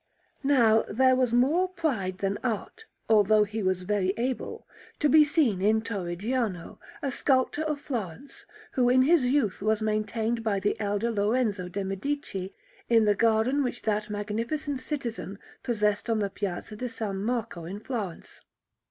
Now there was more pride than art, although he was very able, to be seen in Torrigiano, a sculptor of Florence, who in his youth was maintained by the elder Lorenzo de' Medici in the garden which that magnificent citizen possessed on the Piazza di S. Marco in Florence.